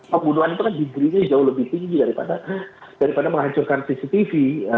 pembunuhan itu kan diberinya jauh lebih tinggi daripada menghancurkan cctv